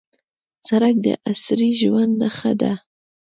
سړک د عصري ژوند نښه ده.